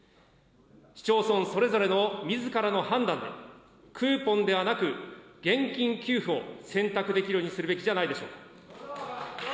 市町村それぞれのみずからの判断で、クーポンではなく、現金給付を選択できるようにするべきじゃないでしょうか。